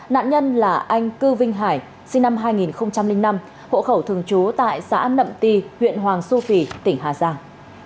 nạn nhân là anh cư vinh hải sinh năm hai nghìn năm hộ khẩu thường trú tại xã nậm ti huyện hoàng su phi tỉnh hà giang